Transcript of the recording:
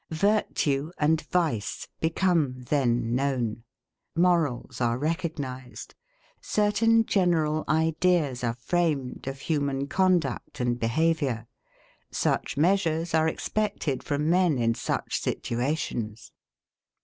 Virtue and Vice become then known; morals are recognized; certain general ideas are framed of human conduct and behaviour; such measures are expected from men in such situations.